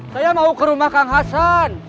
saya mau ke rumah kang hasan